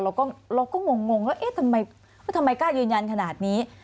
เราก็เราก็มงแล้วเอ๊ะทำไมแล้วทำไมกล้ายยืนยนขนาดนี้